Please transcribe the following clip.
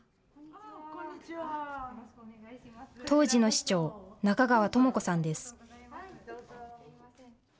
当時の市長、中川智子さんです。